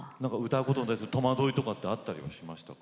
歌うことに対する戸惑いとかってあったりはしました？